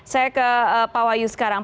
saya ke pak wahyu sekarang